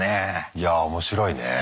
いや面白いね。